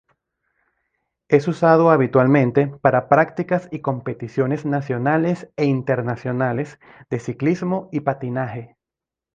Es usado habitualmente para prácticas y competiciones nacionales e internacionales de ciclismo y patinaje.